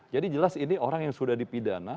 jadi jelas ini orang yang sudah dipidana